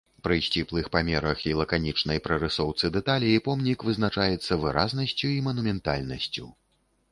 Пры сціплых памерах і лаканічнай прарысоўцы дэталей помнік вызначаецца выразнасцю і манументальнасцю.